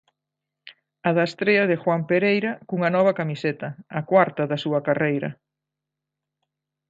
A da estrea de Juan Pereira cunha nova camiseta, a cuarta da súa carreira.